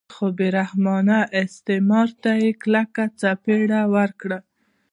خو بې رحمانه استثمار ته یې کلکه څپېړه ورکړه.